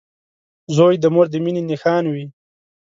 • زوی د مور د مینې نښان وي.